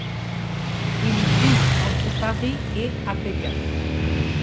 Il vit entre Paris et à Pékin.